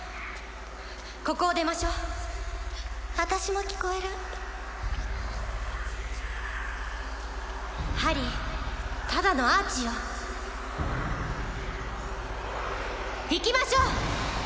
ここを出ましょう私も聞こえるハリーただのアーチよ行きましょう！